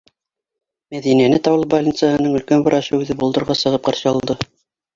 Мәҙинәне Таулы больницаһының өлкән врачы үҙе болдорға сығып ҡаршы алды: